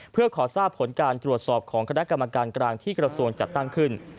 เพื่อขอทราบผลการตรวจสอบของคณะกรรมการกลางที่กระทรวงจัดตั้งขึ้น